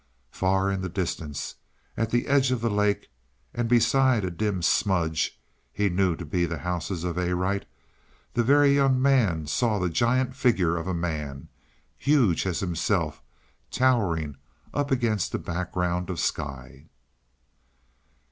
Far in the distance, at the edge of the lake, and beside a dim smudge he knew to be the houses of Arite, the Very Young Man saw the giant figure of a man, huge as himself, towering up against the background of sky.